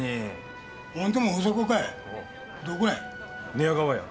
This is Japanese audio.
寝屋川や。